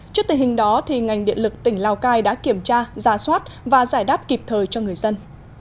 trước tình hình đó ngành điện lực tỉnh lào cai đã kiểm tra giả soát và giải đáp kịp thời cho người dân